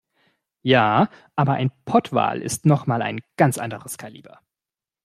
Ja, aber ein Pottwal ist noch mal ein ganz anderes Kaliber.